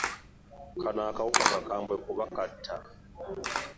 Kano akawuka kakambwe kuba katta.